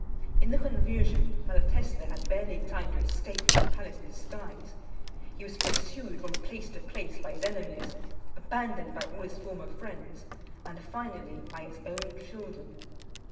In the confusion, Malatesta had barely time to escape from his palace in disguise. He was pursued from place to place by his enemies, abandoned by all his former friends, and, finally, by his own children.